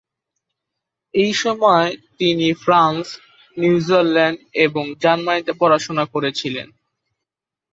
এই সময়ে, তিনি ফ্রান্স, সুইজারল্যান্ড এবং জার্মানিতে পড়াশোনা করেছিলেন।